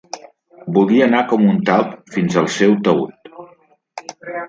Volia anar com un talp fins al seu taüt.